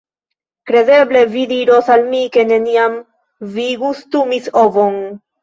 Kredeble vi diros al mi ke neniam vi gustumis ovon?